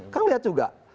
kan lihat juga